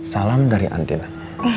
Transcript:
salam dari antinah